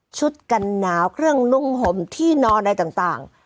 กันหนาวเครื่องนุ่งห่มที่นอนอะไรต่าง